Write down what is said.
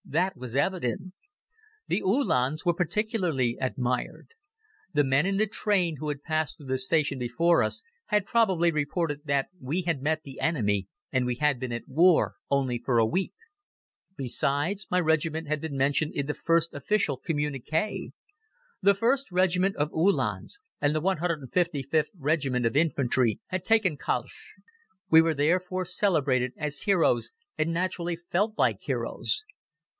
That was evident. The Uhlans were particularly admired. The men in the train who had passed through the station before us had probably reported that we had met the enemy, and we had been at war only for a week. Besides, my regiment had been mentioned in the first official communiqué. The 1st Regiment of Uhlans and the 155th Regiment of Infantry had taken Kalisch. We were therefore celebrated as heroes and naturally felt like heroes.